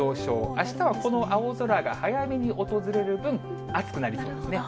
あしたはこの青空が早めに訪れる分、暑くなりそうですね。